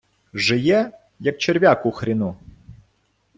Жиє, як черв'як у хріну.